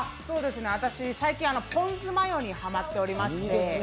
私、最近、ポン酢マヨにハマっておりまして。